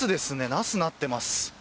ナスがなってます。